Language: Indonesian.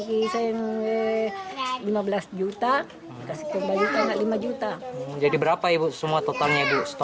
kalau ada yang melahirkan saya kasihkan rp dua rp tiga